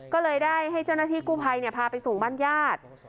ก็เลยได้ให้เจ้าหน้าที่กู้ภัยพาไปส่งบ้านญาติ